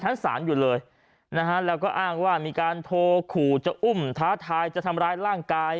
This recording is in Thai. ชั้นศาลอยู่เลยนะฮะแล้วก็อ้างว่ามีการโทรขู่จะอุ้มท้าทายจะทำร้ายร่างกาย